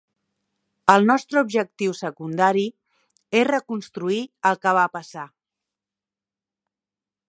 El nostre objectiu secundari és reconstruir el que va passar.